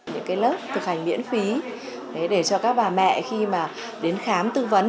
những lớp thực hành miễn phí để cho các bà mẹ khi mà đến khám tư vấn